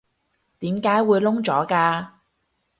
點解會燶咗㗎？